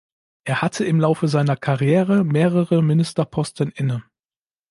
Er hatte im Laufe seiner Karriere mehrere Ministerposten inne.